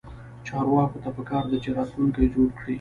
چارواکو ته پکار ده چې، راتلونکی جوړ کړي